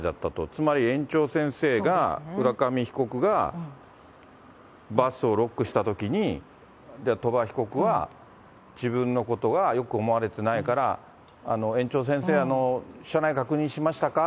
つまり園長先生が、浦上被告がバスをロックしたときに、鳥羽被告は自分のことがよく思われてないから、園長先生、車内確認しましたか？